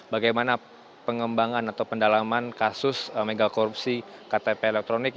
bagaimana pengembangan atau pendalaman kasus megakorupsi ktp elektronik